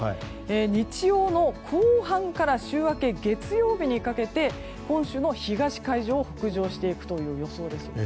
日曜の後半から週明け月曜日にかけて本州の東海上を北上していく予想です。